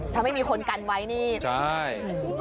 ถ้าไม่มีคนกันไว้นี่ใช่